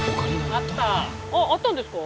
ああったんですか？